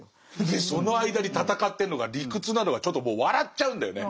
でその間に戦ってるのが理屈なのがちょっともう笑っちゃうんだよね。